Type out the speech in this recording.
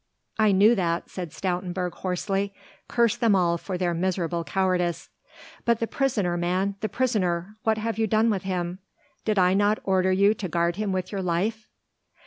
"I knew that," said Stoutenburg hoarsely, "curse them all for their miserable cowardice. But the prisoner, man, the prisoner? What have you done with him? Did I not order you to guard him with your life?"